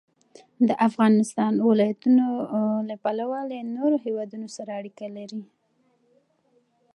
افغانستان د د افغانستان ولايتونه له پلوه له نورو هېوادونو سره اړیکې لري.